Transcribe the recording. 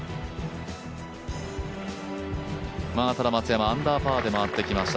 ただ、松山アンダーパーで回ってきました。